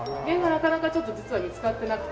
なかなかちょっと実は見つかってなくて。